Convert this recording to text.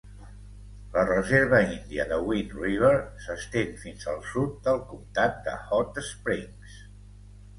La Reserva Índia de Wind River s'estén fins al sud del comtat de Hot Springs.